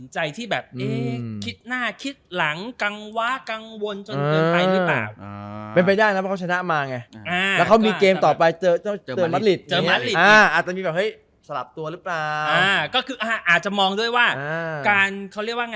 ใช่เพราะแตะพุธิแล้วมาชนะวูฟไง